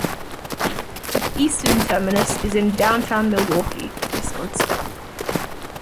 Its eastern terminus is in downtown Milwaukee, Wisconsin.